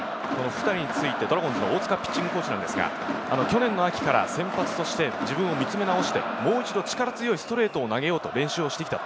大塚ピッチングコーチは、去年の秋から先発として自分を見つめ直して、もう一度力強いストレートを投げようと練習してきた。